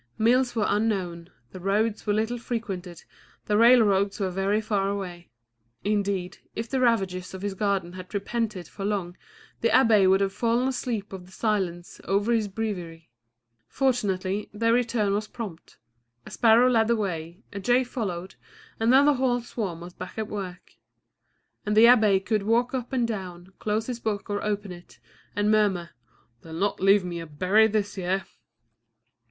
Mills were unknown, the roads were little frequented, the railroads were very far away. Indeed, if the ravagers of his garden had repented for long the abbé would have fallen asleep of the silence over his breviary. Fortunately, their return was prompt; a sparrow led the way, a jay followed, and then the whole swarm was back at work. And the abbé could walk up and down, close his book or open it, and murmur: "They'll not leave me a berry this year!"